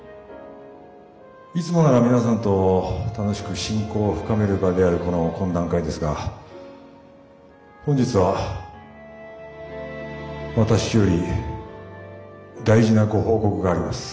いつもなら皆さんと楽しく親交を深める場であるこの懇談会ですが本日は私より大事なご報告があります。